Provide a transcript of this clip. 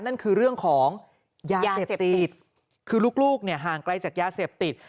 นั่นคือเรื่องของยาเสพติดคือลูกเนี่ยห่างไกลจากยาเสพติด